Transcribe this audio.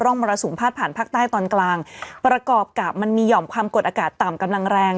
มรสุมพาดผ่านภาคใต้ตอนกลางประกอบกับมันมีหย่อมความกดอากาศต่ำกำลังแรง